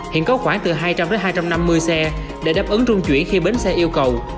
hiện có khoảng từ hai trăm linh đến hai trăm năm mươi xe để đáp ứng trung chuyển khi bến xe yêu cầu